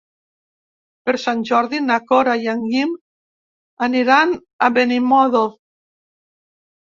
Per Sant Jordi na Cora i en Guim aniran a Benimodo.